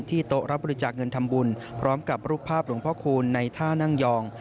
โต๊ะรับบริจาคเงินทำบุญพร้อมกับรูปภาพหลวงพ่อคูณในท่านั่งยอง